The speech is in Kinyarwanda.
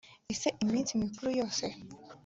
ese iminsi mikuru yose